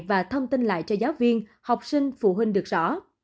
và thông tin lại cho giáo viên học sinh phụ huynh được rõ